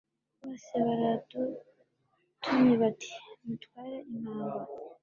bose baradutumye bati mutware impamba